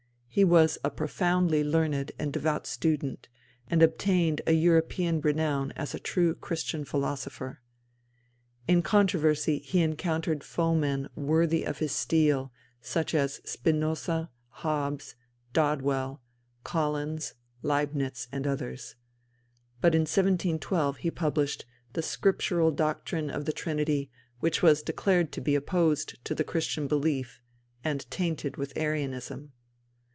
He was a profoundly learned and devout student, and obtained a European renown as a true Christian philosopher. In controversy he encountered foemen worthy of his steel, such as Spinosa, Hobbes, Dodwell, Collins, Leibnitz, and others. But in 1712 he published The Scriptural Doctrine of the Trinity, which was declared to be opposed to the Christian belief and tainted with Arianism.